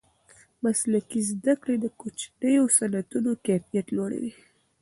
مسلکي زده کړې د کوچنیو صنعتونو کیفیت لوړوي.